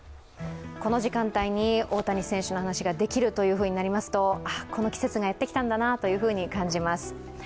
この時間帯に大谷選手の話ができるとなりますとああこの季節がやってきたんだなと感じます。